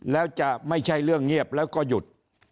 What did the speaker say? แล้วจะไม่ใช่เรื่องเงียบแล้วก็หยุด